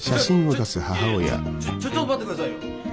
いやいやちょっと待ってくださいよ。